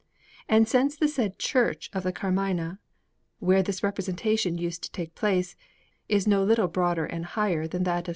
And since the said Church of the Carmine, where this representation used to take place, is no little broader and higher than that of S.